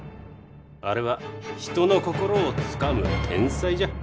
あれは人の心をつかむ天才じゃ。